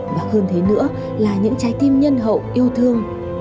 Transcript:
và hơn thế nữa là những trái tim nhân hậu yêu thương